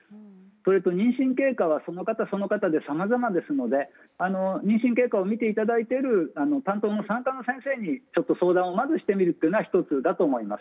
それと妊娠経過はその方その方でさまざまですので妊娠経過を診ていただいている担当の産科の先生にちょっと相談をまずしてみるのが１つだと思います。